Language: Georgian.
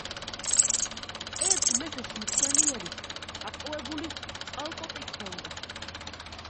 ერთ მეფეს მშვენიერი, აყვავებული წალკოტი ჰქონდა.